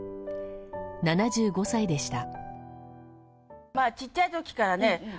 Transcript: ７５歳でした。